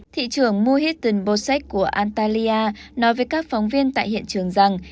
thị trường muhitin bosek của antalya nói với các phóng viên tại hiện trường rằng